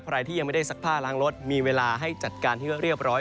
ใครที่ยังไม่ได้ซักผ้าล้างรถมีเวลาให้จัดการที่เรียบร้อย